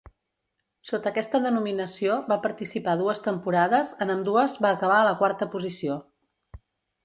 Sota aquesta denominació, va participar dues temporades, en ambdues va acabar a la quarta posició.